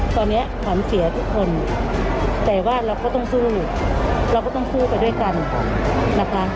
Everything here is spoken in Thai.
ตอนนี้ขวัญเสียทุกคนแต่ว่าเราก็ต้องสู้เราก็ต้องสู้ไปด้วยกันนะคะ